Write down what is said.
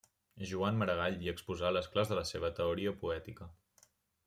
Joan Maragall hi exposà les claus de la seva teoria poètica.